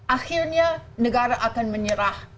akhirnya negara akan menyerah